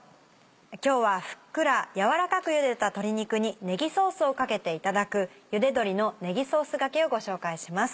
今日はふっくら軟らかくゆでた鶏肉にねぎソースをかけていただく「ゆで鶏のねぎソースがけ」をご紹介します。